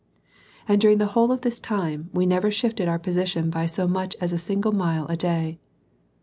And during the whole of this time we never shifted our position by so much as a single mile a day.